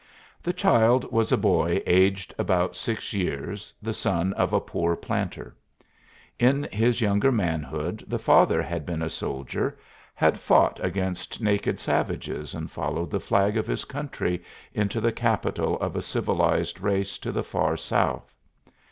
The child was a boy aged about six years, the son of a poor planter. In his younger manhood the father had been a soldier, had fought against naked savages and followed the flag of his country into the capital of a civilized race to the far South.